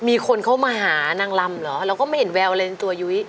มีคนเขามาหานางลำเหรอเราก็ไม่เห็นแววอะไรตัวยุ้ย